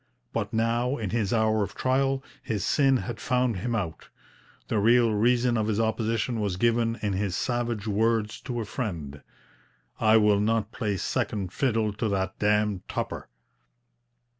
But now, in his hour of trial, his sin had found him out. The real reason of his opposition was given in his savage words to a friend: 'I will not play second fiddle to that d d Tupper.'